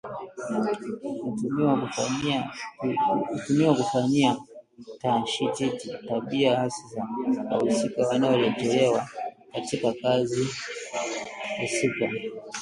hutumiwa kufanyia tashtiti tabia hasi za wahusika wanaorejelewa katika kazi husika